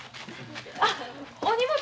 あっお荷物！